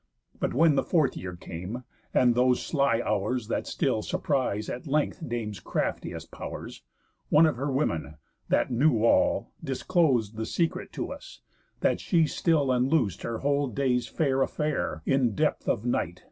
But when the fourth year came, and those sly hours That still surprise at length dames' craftiest powers, One of her women, that knew all, disclos'd The secret to us, that she still unloos'd Her whole day's fair affair in depth of night.